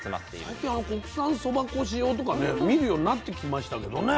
最近国産そば粉使用とかね見るようになってきましたけどね。